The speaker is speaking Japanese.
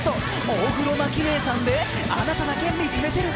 大黒摩季姉さんで「あなただけ見つめてる」。